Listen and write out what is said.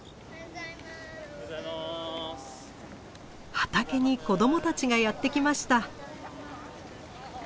畑に子供たちがやって来ました。